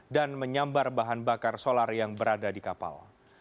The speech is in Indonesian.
dan menyambar bahan bakar solar yang berada di kapal